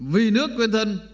vì nước quên thân